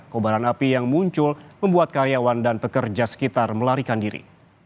kobaran api yang muncul membuat karyawan dan pekerja sekitar melarikan diri